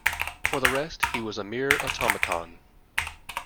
For the rest, he was a mere automaton.